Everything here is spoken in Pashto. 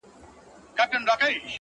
چي دغه وينه لږه وچه سي باران يې يوسي,